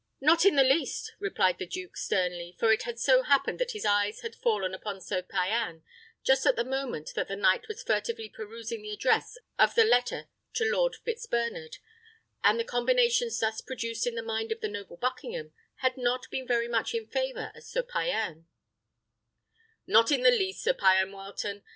"Not in the least," replied the duke, sternly; for it had so happened that his eyes had fallen upon Sir Payan just at the moment that the knight was furtively perusing the address of the letter to Lord Fitzbernard, and the combinations thus produced in the mind of the noble Buckingham had not been very much in favour of Sir Payan: "not in the least, Sir Payan Wileton.